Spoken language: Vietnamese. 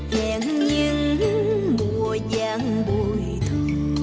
hẹn những mùa giang buổi thu